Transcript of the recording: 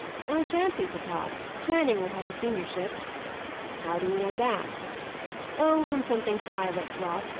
"I shan't be, papa. Channing will have the seniorship." "How do you know that?" "Oh, from something Pye let drop.